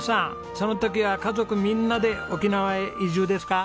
その時は家族みんなで沖縄へ移住ですか？